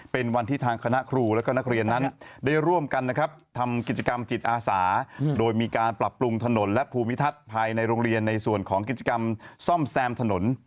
เป็นวันที่ทางคณะครูและก็นักเรียนนั้นได้ร่วมกันนะครับทำกิจกรรมจิตอาสาโดยมีการปรับปรุงถนนและภูมิทัศน์ภายในโรงเรียนในส่วนของกิจกรรมซ่อมแซมถนน